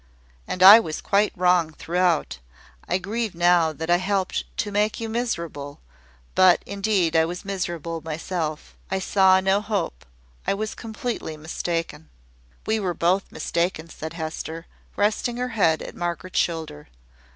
And I was quite wrong throughout. I grieve now that I helped to make you miserable: but, indeed, I was miserable myself. I saw no hope; I was completely mistaken." "We were both mistaken," said Hester, resting her head at Margaret's shoulder.